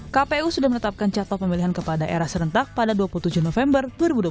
kpu sudah menetapkan catat pemilihan kepala daerah serentak pada dua puluh tujuh november dua ribu dua puluh